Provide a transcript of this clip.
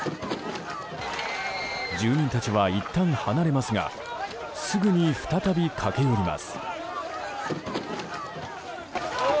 住民たちはいったん離れますがすぐに再び駆け寄ります。